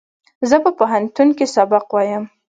زه په پوهنتون کښې سبق وایم